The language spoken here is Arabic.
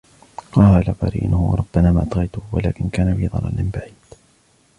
قال قرينه ربنا ما أطغيته ولكن كان في ضلال بعيد